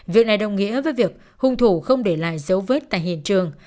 việc này đồng nghĩa với việc hung thủ không để lại dấu vết tại hiện trường